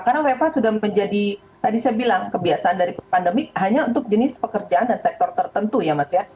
karena wfa sudah menjadi tadi saya bilang kebiasaan dari pandemi hanya untuk jenis pekerjaan dan sektor tertentu ya mas ya